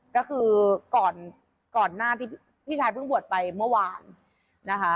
ก็คือก่อนก่อนหน้าที่พี่ชายเพิ่งบวชไปเมื่อวานนะคะ